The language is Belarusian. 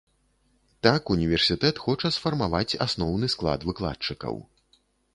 Так універсітэт хоча сфармаваць асноўны склад выкладчыкаў.